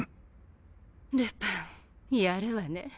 ルパンやるわね。